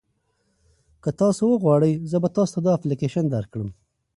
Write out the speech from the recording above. که تاسي وغواړئ زه به تاسي ته دا اپلیکیشن درکړم.